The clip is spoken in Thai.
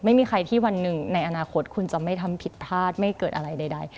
ไม่มีใครที่วันหนึ่งในอนาคตคุณจะไม่ทำผิดพลาดไม่เกิดอะไรใด